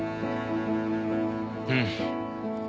うん。